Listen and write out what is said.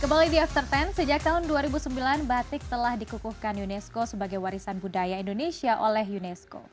kembali di after sepuluh sejak tahun dua ribu sembilan batik telah dikukuhkan unesco sebagai warisan budaya indonesia oleh unesco